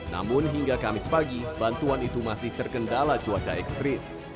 namun hingga kamis pagi bantuan itu masih terkendala cuaca ekstrim